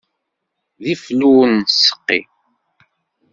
D iflu ur nettseqqi.